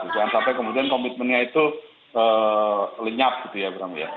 jangan sampai kemudian komitmennya itu lenyap gitu ya bram ya